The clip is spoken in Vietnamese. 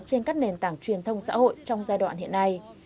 trên các nền tảng truyền thông xã hội trong giai đoạn hiện nay